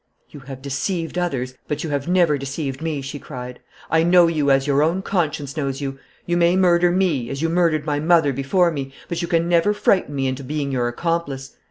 'You have deceived others, but you have never deceived me,' she cried. 'I know you as your own conscience knows you. You may murder me, as you murdered my mother before me, but you can never frighten me into being your accomplice.